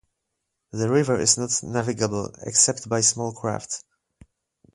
The river is not navigable, except by small craft.